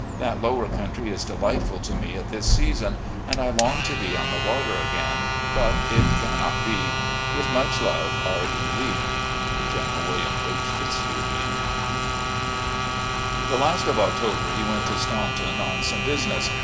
That lower cotmtry is delightftd to me at this season, and I long to be on the water again, but it cannot be. With much love, "R. E. Lee. "General Wm. H. Fitzhugh Lee." The last of October he went to Staunton on some business.